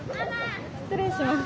失礼します。